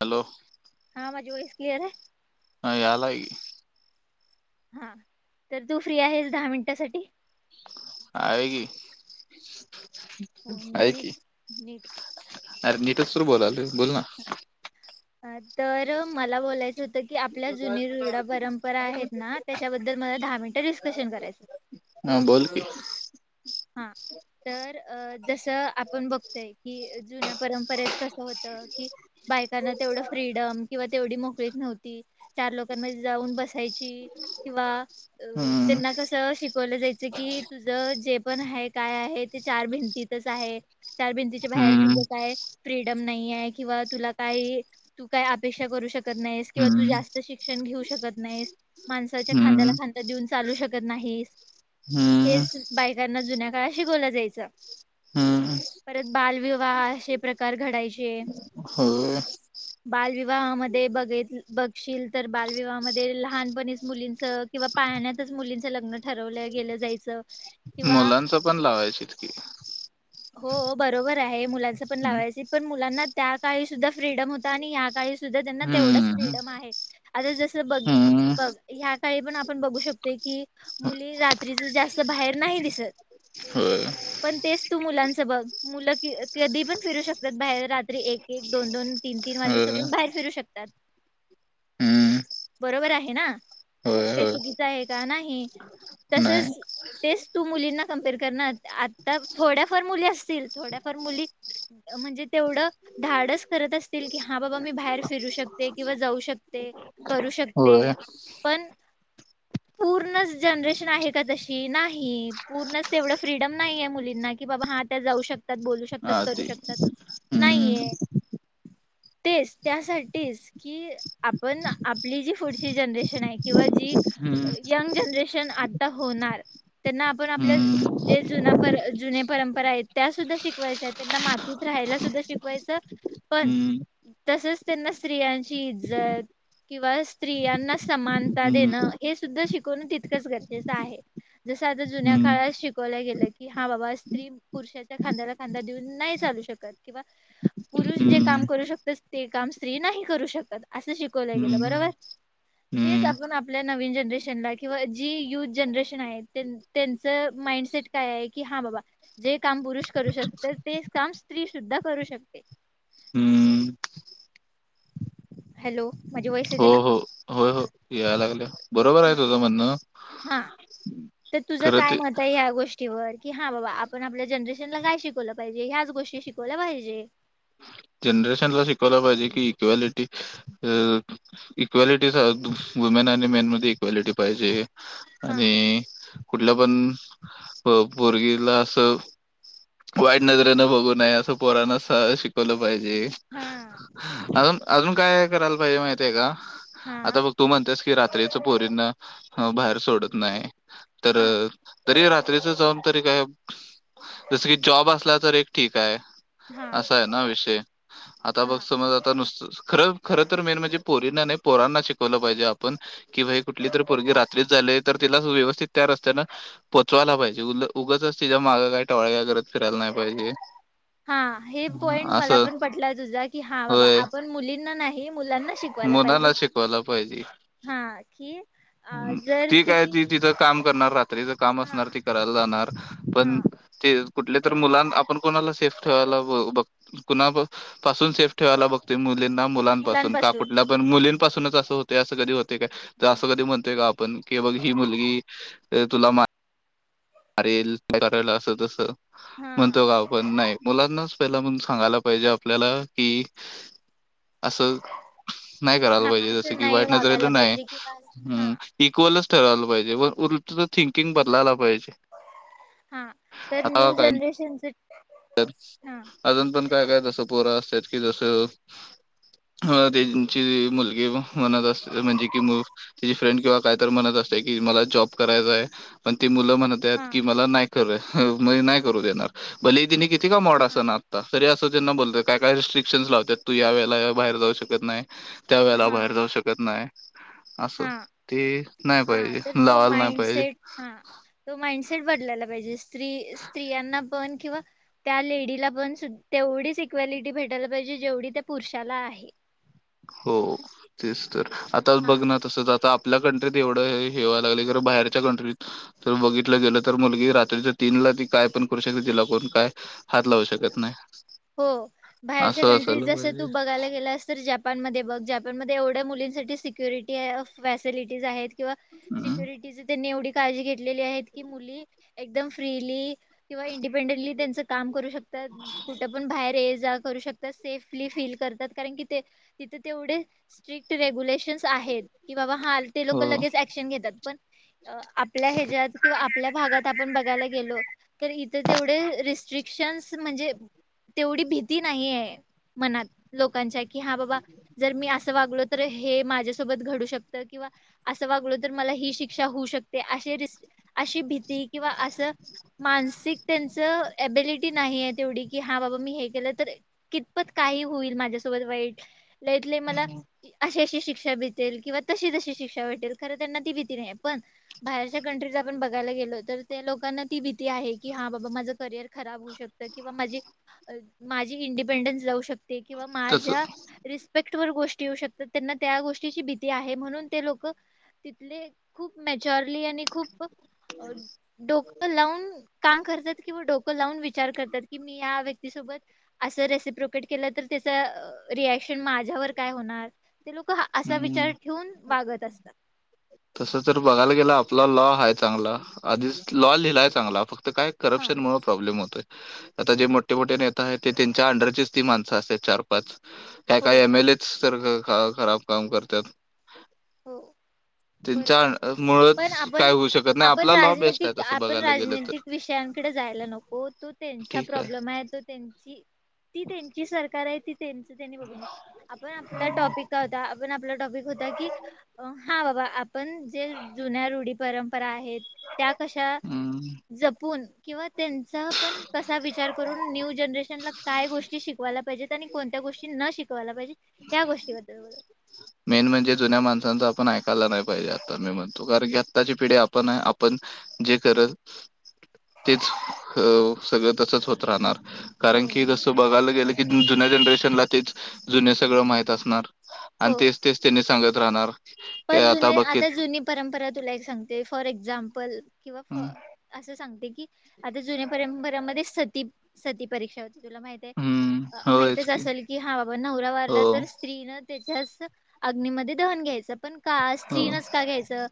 Hello हा माझी voice clear आहे हा यालाय की! हा तर तू फ्री आहेस दहा मिनिटासाठी? आहे की, हो, आहे की. नीट नीट अरे नीटच तर बोलायलोय बोल ना! तर मला बोलायचं होतं की आपल्या जुनी रुरडा परंपरा आहेत ना त्याच्याबद्दल मला दहा मिनिटं डिस्कशन करायचंय. हा बोल की! हा! तर जसं आपण बघतोय की जुन्या परंपरेत कसं होतं की बायकांना तेवढं फ्रीडम किंवा तेवढी मोकळीक नव्हती. चार लोकांमध्ये जाऊन बसायची किंवा अ हम्म त्यांना कसं शिकवलं जायचं की तुझं जे पण आहे काय आहे ते चार भिंतीतच आहे चार भिंतीच्या बाहेर हम्म तुझं काय फ्रीडम नाही आहे किंवा तुला काही तू काय अपेक्षा करू शकत नाहीस किंवा तू हम्म जास्त शिक्षण घेऊ शकत नाहीस. माणसाच्या हम्म खांद्याला खांदा देऊन चालू शकत नाहीस. हम्! हेच बायकांना जुन्या काळ शिकवला जायचं. हम! परत बालविवाहे आशे प्रकार घडायचे हो. बालविवाहामध्ये बघ बघशील तर बालविवाहामध्ये लहानपणीच मुलींच किंवा पाळण्यातच मुलींचं लग्न ठरवलं गेलं जायचं किंवा मुलांचं पण लावायचित की! हो बरोबर आहे मुलांच पण हम्म लावायचं पण मुलांना त्या काळीस सुद्धा फ्रीडम होता आणि या काळी सुद्धा त्यांना तेवढं हम्म फ्रीडम आहे, आता जस बघ हम्म बघ ह्या काळी पण आपण बघू शकते की मुली रात्रीच जास्त बाहेर नाही दिसत, होय पण तेच तू मुलांचं बघ मुल कधी पण फिरू शकतात बाहेर रात्री एक एक, दोन दोन तीन तीन माझ्या होय सोबडून बाहेर फिरू शकतात. हम्म बरोबर आहे ना? ह्यात होय काही होय चुकीचं आहे का नाही. नाही तसंच तेच तू मुलींना कम्पेअर करणं आता थोड्याफार मुली असतील थोड्याफार मुली म्हणजे तेवढं धाडस करत असतील की हा बाबा मी बाहेर फिरू शकते किंवा जाऊ शकते. करू शकते होय पण पूर्णच जनरेशन आहे का तशी नाही पूर्णच तेवढं फ्रीडम नाही आहे मुली ना कि बाबा हा त्या जाऊ शकतात बोलू शकतात करू आदी शकतात हम्म नाहीये. तेच त्यासाठीच कि आपण आपली जी पुढची जनरेशन आहे किंवा जी हम्म यंग जनरेशन आता होणार त्यांना आपण आपल्या हम्म जे जुने परं जुने परंपरा आहेत त्या सुद्धा शिकवायच्या आहेत, त्यांना मातीत राहायला सुद्धा शिकवायचं पण हम्म तसच त्यांना स्त्रियांची इज्जत किंवा स्त्रियांना समानता हम्म देणं हे सुद्धा शिकवण तितकंच गरजेचं आहे. जस आता जुन्या हम्म काळात शिकवलं गेलं की हा बाबा स्त्री पुरुषाच्या खांद्याला खांदा देऊन नाही चालू शकत किंवा पुरुष जे काम हम्म करू शकतात, ते काम स्त्री नाही करू शकत असं शिकवलं गेलं हम्म बरोबर? तेच हम्म आपण आपल्या नवीन जनरेशनला किंवा जी युथ जनरेशन आहे त्यांचं माइंडसेट काय आहे की हा बाबा जे काम पुरुष करू शकते ते काम स्त्री सुद्धा करू शकते हम्म हॅलो माझी वयस येते हो ना हो होय हो यायला लागलं बरोबर आहे हा तुझं म्हणणं हा तर तुझं खरं काय ते मत आहे ह्या गोष्टी ीर कि हा बाबा आपण आपल्या जनरेशनला काय शिकवलं पाहिजे ह्याच गोष्टी शिकवल्या पाहिजे जनरेशनला शिकवला पाहिजे कि इक्वालिटी अ इक्वेलिटीचा वुमेन आणि मेनमध्येध्ये इक्वेलिटी पाहिजे हा आणि कुठल्या पण भर्गीला असं वाईट नजरेनं बघू नये असं पोराण शिक लं पाहिजे हा अजून अजून काय करायला पाहिजे माहिती आहे का आता हा बघ तू म्हणतेस की रात्रीचं पोरीन बाहेर सोडत नाही तर हा तरी रात्रीच जाऊन तरी काय जस की जॉब असला तर एक ठीक आहे हा असा आहे ना विषय आता बघ समज आता नुसत खरं खर तर मेन म्हणजे पोरीना नाही पोरांना शिकवलं पाहिजे आपण कि बाई कुठली तररी पोरगी रात्रीच झाले तर तिला सुव्यवस्थित तर असताना पोचवायला पाहिजे उल उगच तिच्या मागं काही टवळ का्या करत फिरायला नाही पाहिजे हा पॉईंट मला असं पण पटला तुझा की हा बाबा होय आपण मुलींना नाही मुलांना शिकवायला पण ला शिकवायला पाहिजे हा कि अ जर ती काय तिने ती तिथं काम करणार रात्रीच काम हा असणार त क क हा मु आप ठेवा ब कुणा पासून सेफ ठेवायला बघते मुलींना मुलांपासून का कुठल्या पण मुलींपासूनच असं होते असं कधी होते काय तर नाही असं कधी म्हणतेय का आपण की बघ ही मुलगी ते तुला म मारल का करायला असं तस हा म्हणतो का आपण नाही मुलांनाच पहिला म्हण सांगायला पाहिजे आपल्याला कि असं नाही करायला हा पाहिजे जसं असं कि नाही वाईट वागायला नलं नाही पाहिजे कि हा हम् इक्वलच ठरावयला पाहिजे बस थिंकिंग बदलायला पाहिजे हा तर न्यू आता काय जनरेशनच हा अजून पण काय काय तसं पोरं असत कि जसं त्यांची मुलगी म्हणत असते म्हणजे की मुलगा तिची फ्रेंड किंवा कायत म्हणत असते कि मला जॉब करायचाय पण ते मुलं म्हणतात हा की मला नाही कर नाही करू देणार भले तिने एकदम ओढ असं हा ना तरी असो त्यांना बोलता काय काय रिस्ट्रिक्शन्स लावत्यात तू या वेळेला बाहेर जाऊ शकत नाही. त्या वेळेला बाहेर हा जाऊ शकत नाही. असं हा ते नाही हा पाहिजे तर तो लावायला नाही पाहिजे. माइंडसेट हा तो माइंडसेट बदलायला पाहिजे स्त्री स्त्रियांना पण किंवा त्या लेडीला पण तेवढीच इक्वेलिटी भेटायला पाहिजे जेवढी त्या पुरुषाला आहे हो तेच तर आता हा बघ ना तसंच आता आपल्या कंट्रीत एवढं हे्यावं लागले कार बाहेरच्या कंट्रीत तर बघितलं गेलं तर मुलगी रात्रीच्या तीनला ती काय पण करू शकते तिला कोण काय हात लावू शकत नाही हो बाहेरच्या असं कंट्रीज असायला जस पाहिजे तू बघायला गेलास तर जपान जपानमध्ये बघ जपानमध्ये एवढ्या मुलींसाठी सिक्युरिटी फॅसिलिटीज आहेत किंवा हम्म सिक्युरिटीचे त्यांनी एवढे काळजी घेतलेली आहेत की मुली एकदम फ्रीली किंवा इंडिपेंडेंटली त्यांचं काम करू शकतात तर कुठे पण बाहेर करू शकतात सेफली फील करतात कारण की ते तिथ तेवढे स्ट्रिक्ट रेग्युलेशन्स आहेत कि बाबा हा ते लोक हो लगेच ऍक्शन घेतात पण आपल्या ह्याच्यात किंवा आपल्या भागात आपण बघायला गेलो तर इथे तेवढे रिस्क रिक्शन्स म्हणजे तेवढी भीती नाहीये मनात लोकांच्या की हा बाबा जर मी असं वागलो तर हे माझ्यासोबत घडू शकतं किंवा असं वागलो तर मला ही शिक्षा होऊ शकते असे र अशी भीती किंवा असं मानसिक त्यांचं एबिलिटी नाहीये तेवढी की हा बाबा मी हे केलं तर कितपत काही होईल माझ्यासोबत वाईट लईत लई मला- अशी अशी शिक्षा भेटेल किंवा तशी तशी शिक्षा भेटेल खरं त्यांना ती भीती नाही पण बाहेरच्या कंट्रीज आपण बघायला गेलो तर त्या लोकांना ती भीती आहे की हा बाबा माझं करियर खराब होऊ शकत. किंवा माझी माझी इंडिपेंडन्स जाऊ शकते किंवा तस माझ्या रिस्पेक्ट वर गोष्टी येऊ शकतात त्यांना त्या गोष्टीची भीती आहे म्हणून ते लोक तिथले खूप मेचॉरली आणि खूप डोकं लावून काम करतात किंवा डोकं लावून विचार करतात कि या व्यक्तीसोबत असं रेसिप प्रोपेट केलं तर त्याचा रिएक्शन माझ्यावर काय होणार ते लोक असा हम्म विचार ठेवून वागत असतात. तसं तर बघायला गेलं आपला लॉ हाय चांगला आधीच लॉ लिहिलाय चांगला आप तर काय हा करप्शनमुळे प्रॉब्लेम होतोय. आता जे मोठे मोठे नेता आहेत ते त्यांच्या अंडरचीच ती माणसं असतात चार पाच काय हो काय एम एल एच तर खराब काम करतात. हो. बरोबर त्यांच्या मुळच पण काय आपण होऊ शकत नाही आपण आपला लॉ बेस्ट आहे राजनैतिक तसं आपण बघायला गेलं तर राजनैतिक विषयांकडे जायला नको तो त्यांचा प्रॉब्लेम आहे तो त्यांची- ती त्यांची सरकार आहे ती त्यांच त्यांनी बघून आपण आपला टॉपिक होता आपण आपला टॉपिक होता की- हा बाबा आपण जे जुन्या रुढी परंपरा आहेत त्या कशा हम्म. जपून किंवा त्यांचा पण कसा विचार करून न्यू जनरेशनला काय गोष्टी शिकवायला पाहिजेत आणि कोणत्या गोष्टी न शिकवायला पाहिजे या गोष्टीबद्दल ब मेन म्हणजे जुन्या माणसांच आपण ऐकायला नाही पाहिजे आता मी म्हणतो कारण की आत्ताची पिढी आपण आपण जे करत तेच सगळं तसच होत राहणार हो कारण की जसं बघायला गेलं की जुन्या जनरेशनला तेच जुने सगळं माहत असणार आणि हो तेच तेच त्यांनी सांगत राहणार की पण जुने बघित आता जुनी परंपरा तुला एक सांगते फॉर एक्झाम्पल किंवा फ असं सांगते की आता जुन्या परंपरामध्ये सती सती परीक्षा होती तुला माहि हम्म होयच माहितच असेल की हा बाबा नवरा हो वारला तर स्त्रीन त्याच्याच अग्नीमध्येध्ये दहन घ्यायचं पण का हो स्त्री नस का घ्यायचं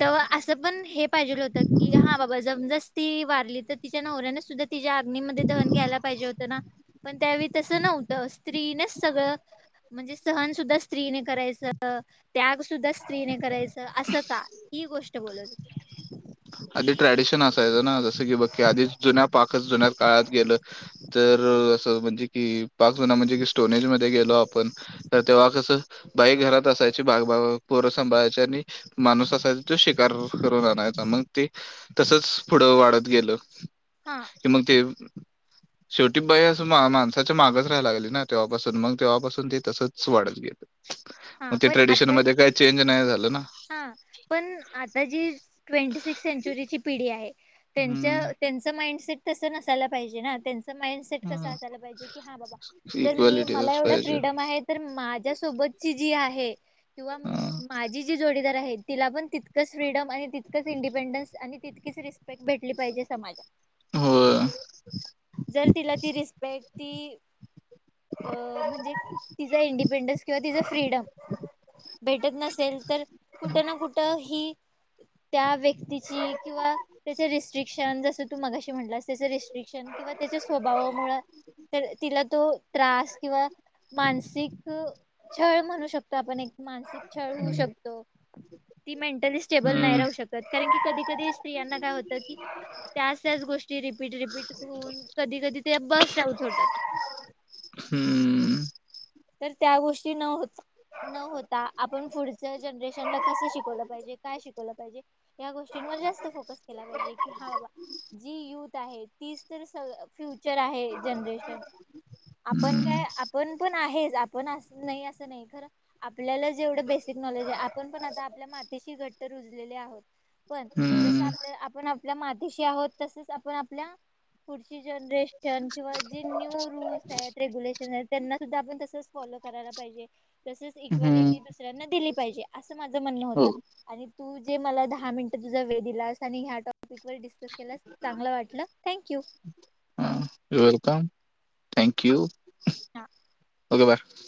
तर असं पण हे पाहिजेलं होतं की हा बाबा जमदास ती वारली तर तिच्या नवऱ्याने सुद्धा ति या अग्नी मध्ये दहन घ्यायला पाहिजे होतं ना पण त्यावेळी तसं नव्हतं स्त्रीनेच सगळं म्हणजे सहन सुद्धा स्त्रीने करायचं त्याग सुद्धा स्त्रीने करायचं असं का ही गोष्ट बोलत आधी ट्रॅडिशन असायचं ना जसं की बघकी आधी जुन्या पाकच जुन्या काळात गेलं तर असं म्हणजे की पाच जण म्हणजे कि स्टोनेज मध्ये गेलो पण तर तेव्हा कस बाई घरात असायची बागग पोर सांभाळायची आणि माणूस असायचा तो शिकार करून आणायचा मग ते तसच पुढं वाढत गेलं हा किम ते [unintelligible] शेवटी बाई असं मा माणसाच्या मागच राहायला लागली ना तेव्हापासून मग तेव्हापासून मग हा ते पण ट्रेडिशन आता मध्ये काही चेंज नाही झालं ना. हा पण आता जी ट्वेंटी सिक्स सेंचुरीची पिढी आहे त्यांच्या... हम्म त्यांचं माइंडसेट तसं नसायला पाहिजे ना त्यांचं माइंड.. ते कस असायला पाहिजे की नाही बाबा की जर मी मला इक्वालिटीच एवढ पाहिजे फ्रीडम आहे... तर माझ्यासोबतची जी आहे किंवा हं. माझी... पिढी आहे तिला पण तितकंच फ्रीडम आणि तितकंच इंडिपेंडन्स आणि तितकी... भेट भेटली पाहिजे समाजला... होय जर तिला ती रिस्पेक्ट ती.... अ म्हणजे तिचा इंडिपेंडन्स किंवा तिचा फ्रीडम... भेटत नसेल तर कुठं ना कुठं हि त्या व्यक्ती.... तिची किंवा त्याचे रेस्ट्रिक्शन जस तू म्हटलंस त्या रटिकश किंवा त्याच्या स्वभावा मु तर तिला तो... त्रास किंवा मानसिक छळ म्हणू शकतो आपण एक मानसिक छळ होऊ शकतो ती मेंटली स्टेबल नाही हम्म राहू शकत कारण की कधी कधी स्त्रीयाना काय होत की त्याच त्याच गोष्टी रिपीट रिपीट होन कधी कधी ते बस लाऊत होतात हम्म... तर त्या गोष्टी न होता.... न होता आपण पुढच्या जनरेशनला कसं शिकवलं पाहिजे काय शिकवलं पाहिजे.... या गोष्टींवर जास्त फोकस केला पाहिजे की हा बाबा जी युथ आहेत... तीच तर स फ्युचर आहे जनरेशन आपण हम्म काय आपण पण.... हेच आपण नाही असं नाही खरं आपल्याला जेवढं बेसिक नॉलेज आहे आपण पण आता आपल्या मातीशी घट्ट रुजलेले आहोत... पण जस हम्म आपल्या आपण आपल्या मातीशी आहोत तसच आपण आपल्या.... पुढची जनरेशन किंवा जे न्यूरूल्स आहेत रेग्युलेशन आहेत त्यांना... सुद्धा आपण तसच फॉलो करायला पाहिजे तसच हम्म इक्वेलिटी दुसऱ्यांना दिली पाहिजे... असं माझं म्हणणं होतं हो आणि तू जे मला दहा मिनिटं तुझा वेळ दिलास आणि ह्या टॉपिक व... चांगलं वाटलं थँक्यू... हां वेलकम थँक्यू... हा.. हॅलो